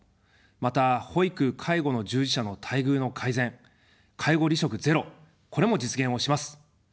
また、保育・介護の従事者の待遇の改善、介護離職ゼロ、これも実現をします。